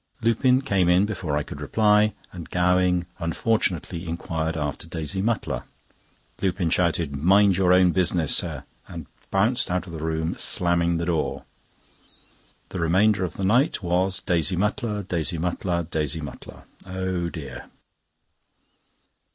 Lupin came in before I could reply, and Gowing unfortunately inquired after Daisy Mutlar. Lupin shouted: "Mind your own business, sir!" and bounced out of the room, slamming the door. The remainder of the night was Daisy Mutlar—Daisy Mutlar—Daisy Mutlar. Oh dear!